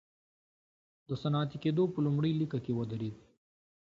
د صنعتي کېدو په لومړۍ لیکه کې ودرېد.